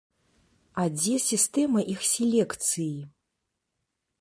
А дзе сістэма іх селекцыі?